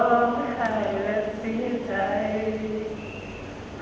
ขอบคุณทุกคนมากครับที่รักโจมตีที่ทุกคนรัก